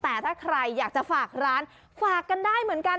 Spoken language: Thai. แต่ถ้าใครอยากจะฝากร้านฝากกันได้เหมือนกัน